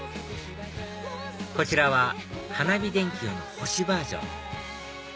こちらは花火電球の星バージョン